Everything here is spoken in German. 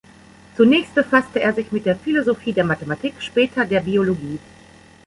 Zunächst befasste er sich mit der Philosophie der Mathematik, später der Biologie.